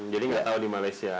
jadi gak tau di malaysia